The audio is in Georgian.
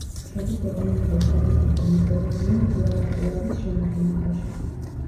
შედის ეკონომიკურ-სტატისტიკურ მიკრორეგიონ გუარაპუავის შემადგენლობაში.